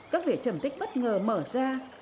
các vỉa trầm tích bất ngờ mở ra